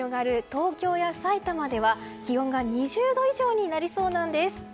東京や埼玉では気温が２０度以上になりそうなんです。